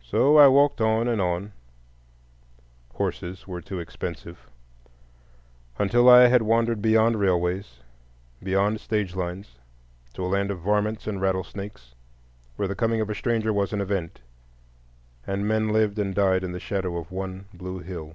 So I walked on and on—horses were too expensive—until I had wandered beyond railways, beyond stage lines, to a land of "varmints" and rattlesnakes, where the coming of a stranger was an event, and men lived and died in the shadow of one blue hill.